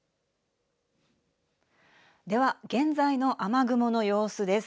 では現在の雨雲の様子です。